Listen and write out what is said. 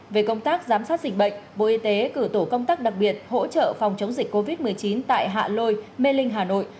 về công tác giám sát dịch bệnh bộ y tế cử tổ công tác đặc biệt hỗ trợ phòng chống dịch covid một mươi chín tại hạ lôi mê linh hà nội